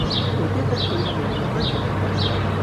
এতেও তাকে পরিমাণ রক্ষা করে চলতে হয়।